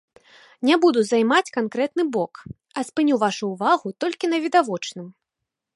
Не буду займаць канкрэтныя бок, а спыню вашу ўвагу толькі на відавочным.